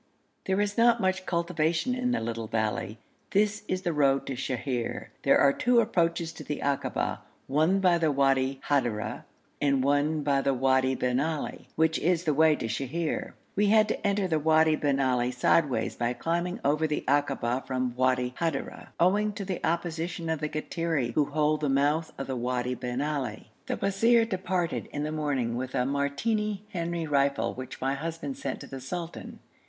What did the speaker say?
There is not much cultivation in the little valley. This is the road to Sheher. There are two approaches to the akaba, one by the Wadi Hadira and one by the Wadi bin Ali, which is the way to Sheher. We had to enter the Wadi bin Ali sideways by climbing over the akaba from Wadi Hadira, owing to the opposition of the Kattiri, who hold the mouth of Wadi bin Ali. The wazir departed in the morning with a Martini Henry rifle which my husband sent to the sultan.